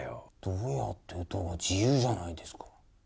どうやって打とうが自由じゃないですか。